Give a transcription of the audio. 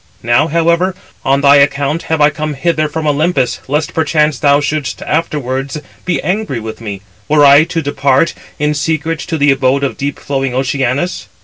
Now, however, on thy account have I come hither from Olympus, lest perchance thou shouldst afterwards be angry with me, were I to depart in secret to the abode of deep flowing Oceanus?"